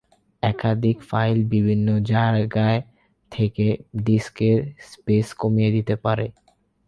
একাধিক ফাইল বিভিন্ন জায়গায় থেকে ডিস্কে স্পেস কমিয়ে দিতে পারে।